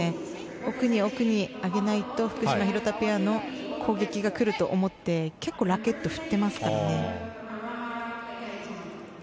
奥に奥に上げないと福島、廣田ペアの攻撃が来ると思って、結構ラケットを振ってますからね。